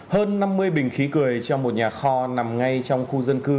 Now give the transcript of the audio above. hơn năm mươi bình khí cười trong một nhà kho nằm ngay trong khu dân cư